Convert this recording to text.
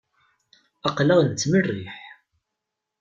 Aql-aɣ nettmerriḥ.